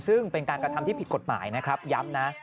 ซึ่งเป็นการกระทำที่ผิดกฎหมายนะครับย้ำนะ